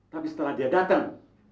tapi setelah dia datang